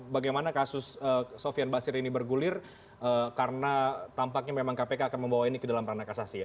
bagaimana kasus sofian basir ini bergulir karena tampaknya memang kpk akan membawa ini ke dalam ranah kasasi ya